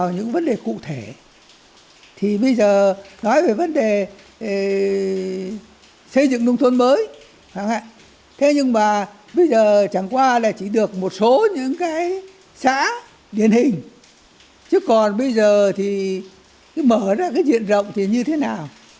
nói về vấn đề xây dựng nông thôn mới thế nhưng mà bây giờ chẳng qua là chỉ được một số những cái xã điển hình chứ còn bây giờ thì mở ra cái diện rộng thì như thế nào